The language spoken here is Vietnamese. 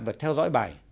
vật theo dõi bài